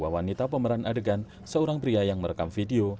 dua wanita pemeran adegan seorang pria yang merekam video